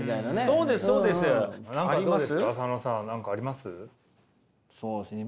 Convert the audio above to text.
そうですね